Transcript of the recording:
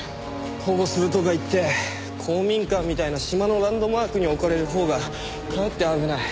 保護するとか言って公民館みたいな島のランドマークに置かれるほうがかえって危ない。